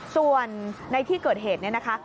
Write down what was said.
ส่วนในที่เกิดเหตุเนี่ยนะคะ